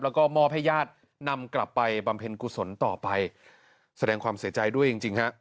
แล้วก็มอบให้ญาตินำกลับไปบำเพ็ญกุศลต่อไปแสดงความเสียใจด้วยจริงจริงฮะ